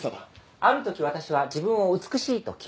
あるとき私は自分を美しいと決めた。